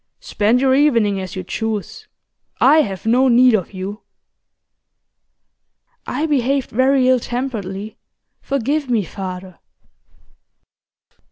'Spend your evening as you choose, I have no need of you.' 'I behaved very ill temperedly. Forgive me, father.